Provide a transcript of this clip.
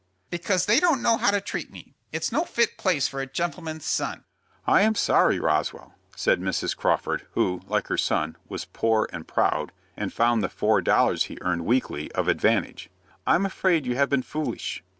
"Because they don't know how to treat me. It's no fit place for a gentleman's son." "I am sorry, Roswell," said Mrs. Crawford, who, like her son, was "poor and proud," and found the four dollars he earned weekly of advantage. "I'm afraid you have been foolish."